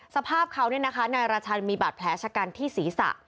สภาพเขานายราชันมีบาดแผลชะกันที่ศีรษะ